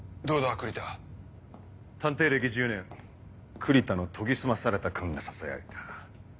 栗田・探偵歴１０年栗田の研ぎ澄まされた勘がささやいた。